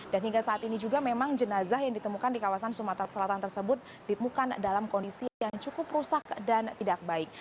dan hingga saat ini juga memang jenazah yang ditemukan di kawasan sumatera selatan tersebut ditemukan dalam kondisi yang cukup rusak dan tidak baik